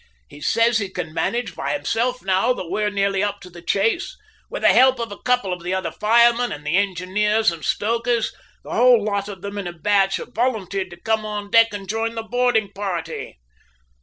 "He says he can manage by himself now that we're nearly up to the chase, with the help of a couple of the other firemen; and the engineers and stokers, the whole lot of them in a batch, have volunteered to come on deck and join the boarding party."